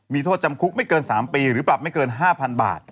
มีโทษจำคุกไม่เกิน๓ปีหรือปรับไม่เกิน๕๐๐๐บาท